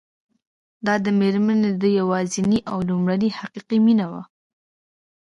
دا مېرمن د ده یوازېنۍ او لومړنۍ حقیقي مینه وه